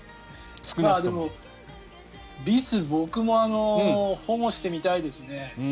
でも、リス僕も保護してみたいですね。